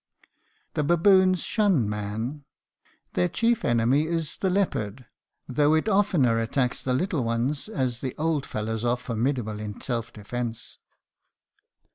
The baboons shun man. Their chief enemy is the leopard, though it oftener attacks the little ones, as the old fellows are formidable in self defense.